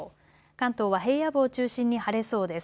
関東は平野部を中心に晴れそうです。